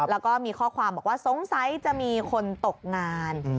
แล้วก็มีข้อความบอกว่าสงสัยจะมีคนตกงาน